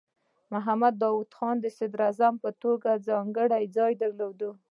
محمد داؤد خان د صدراعظم په توګه ځانګړی ځای درلود.